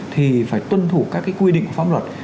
thì phải tuân thủ các quy định của pháp luật